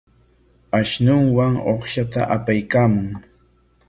Ashunuwan uqshata apaykaamun.